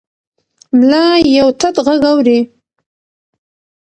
ملا یو تت غږ اوري.